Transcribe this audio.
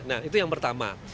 nah itu yang pertama